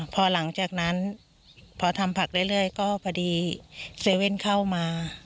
พอหลังจากนั้นพอทำผักเรื่อยก็พอดีเซเว่นเข้ามา